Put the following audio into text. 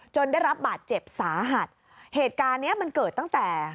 ได้รับบาดเจ็บสาหัสเหตุการณ์เนี้ยมันเกิดตั้งแต่